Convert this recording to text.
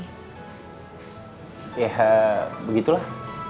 ya heee begitulah